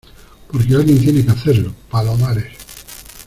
porque alguien tiene que hacerlo, Palomares.